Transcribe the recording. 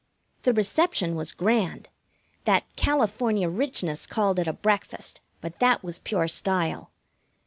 The reception was grand. That California Richness called it a breakfast, but that was pure style.